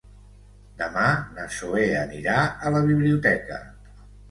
Demà na Zoè anirà a la biblioteca.